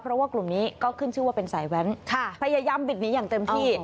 เพราะว่ากลุ่มนี้ก็ขึ้นชื่อว่าเป็นสายแว้นพยายามบิดหนีอย่างเต็มที่